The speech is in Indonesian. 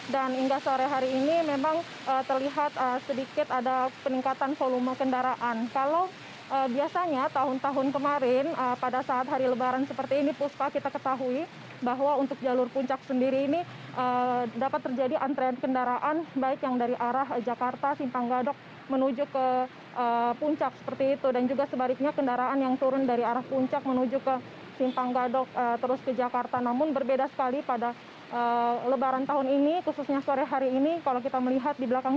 dari informasi laman resmi bmkg